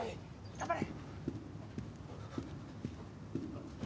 頑張れ！